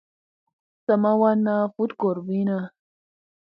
Sa ma wanna vut gorbina.